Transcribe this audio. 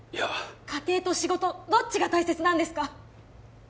家庭と仕事どっちが大切なんですか？